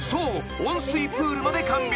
温水プールまで完備。